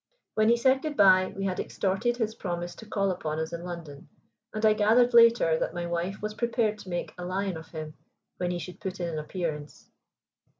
When he said good bye we had extorted his promise to call upon us in London, and I gathered later that my wife was prepared to make a lion of him when he should put in an appearance.